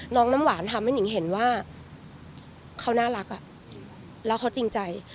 น้ำหวานทำให้นิ่งเห็นว่าเขาน่ารักแล้วเขาจริงใจ